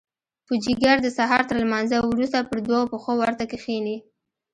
پوجيگر د سهار تر لمانځه وروسته پر دوو پښو ورته کښېني.